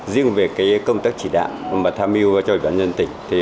riêng về cái công tác chỉ đạo mà thamiu cho ủy ban nhân dân tỉnh thì